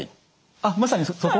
あっまさにそこ？